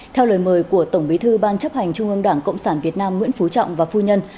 theo lời mời của tổng bí thư ban chấp hành trung ương đảng cộng sản việt nam nguyễn phú trọng và phu nhân